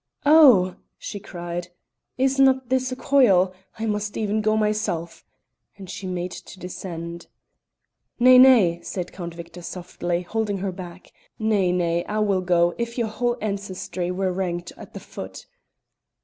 "Oh!" she cried. "Is not this a coil? I must even go myself," and she made to descend. "Nay, nay," said Count Victor softly, holding her back. "Nay, nay; I will go if your whole ancestry were ranked at the foot."